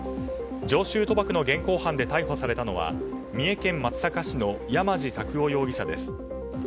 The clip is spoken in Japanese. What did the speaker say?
常習賭博の現行犯で逮捕されたのは三重県松阪市の山路卓生容疑者です。